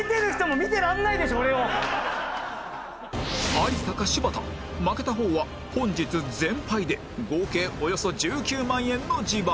有田か柴田負けた方は本日全敗で合計およそ１９万円の自腹